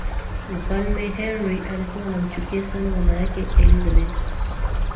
mfalme henry alikuwa anamchukia sana mama yake elizabeth